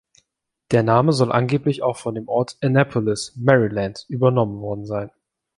Der Name soll angeblich auch von dem Ort Annapolis, Maryland, übernommen worden sein.